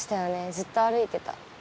ずっと歩いてた。